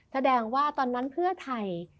แสดงว่าตอนนั้นเพื่อไทย